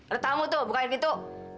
ada tamu tuh bukain pintu